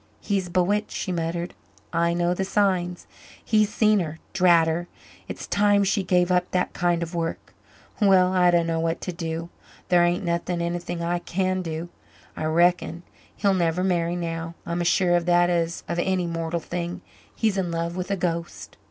"He's bewitched," she muttered. "I know the signs. He's seen her drat her! It's time she gave up that kind of work. Well, I dunno what to do thar ain't anything I can do, I reckon. He'll never marry now I'm as sure of that as of any mortal thing. He's in love with a ghost."